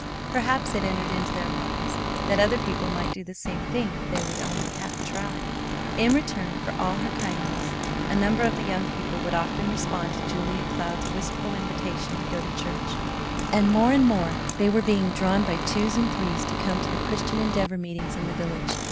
Perhaps it entered into their minds that other people might do the same thing if they would only half try. In return for all her kindness a number of the young people would often respond to Julia Cloud's wistful invitation to go to church, and more and more they were being drawn by twos and threes to come to the Christian Endeavor meetings in the village.